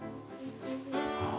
ああ。